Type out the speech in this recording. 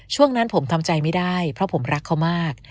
ช่วงนั้นผมทำใจไม่ได้เพราะผมรักเขามาก